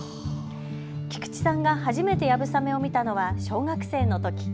菊池さんが初めて流鏑馬を見たのは小学生のとき。